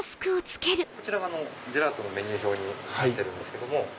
こちらがジェラートのメニュー表になってるんです。